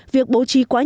việc bố trí quá trình